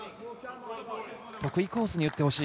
得意コースに打ってほしい。